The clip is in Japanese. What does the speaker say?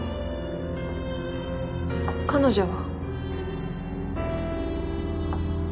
彼女は？